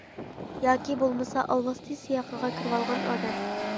ياكى بولمىسا ئالۋاستى سىياقىغا كىرىۋالغان ئادەم.